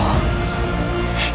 sekarang ibu nanda bohong